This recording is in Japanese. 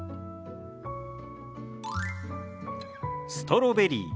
「ストロベリー」。